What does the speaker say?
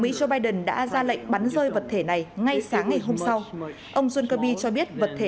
mỹ joe biden đã ra lệnh bắn rơi vật thể này ngay sáng ngày hôm sau ông jun kirby cho biết vật thể